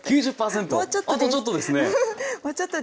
あとちょっとですね。